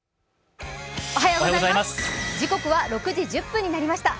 時刻は６時１０分になりました